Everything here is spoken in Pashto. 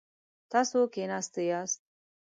تاسو کښیناستی یاست؟